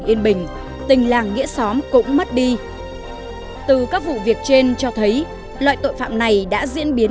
yên bình tình làng nghĩa xóm cũng mất đi từ các vụ việc trên cho thấy loại tội phạm này đã diễn biến